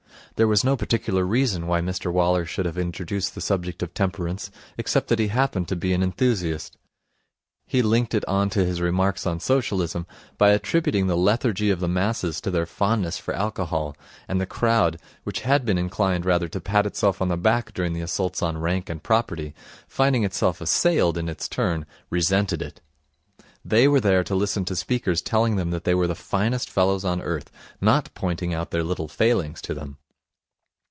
There was no particular reason why Mr Waller should have introduced the subject of temperance, except that he happened to be an enthusiast. He linked it on to his remarks on Socialism by attributing the lethargy of the masses to their fondness for alcohol; and the crowd, which had been inclined rather to pat itself on the back during the assaults on Rank and Property, finding itself assailed in its turn, resented it. They were there to listen to speakers telling them that they were the finest fellows on earth, not pointing out their little failings to them.